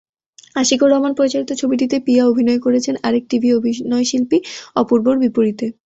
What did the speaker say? আশিকুর রহমান পরিচালিত ছবিটিতে পিয়া অভিনয় করেছেন আরেক টিভি অভিনয়শিল্পী অপূর্বর বিপরীতে।